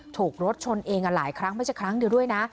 ถูกรถชนเองหลายครั้งไม่ใช่ครั้งเดียวด้วยนะ